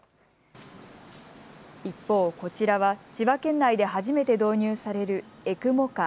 一方、こちらは千葉県内で初めて導入されるエクモカー。